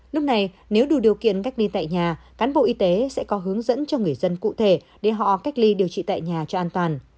lúc này nếu đủ điều kiện cách ly tại nhà cán bộ y tế sẽ có hướng dẫn cho người dân cụ thể để họ cách ly điều trị tại nhà cho an toàn